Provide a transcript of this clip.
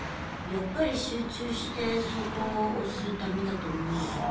やっぱり集中してそこを推すためだと思うんだけど。